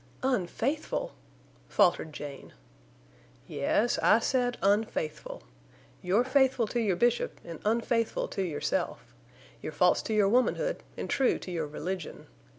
"Un faithful!" faltered Jane. "Yes, I said unfaithful. You're faithful to your Bishop an' unfaithful to yourself. You're false to your womanhood an' true to your religion.